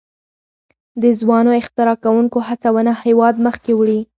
د ځوانو اختراع کوونکو هڅونه هیواد مخکې وړي.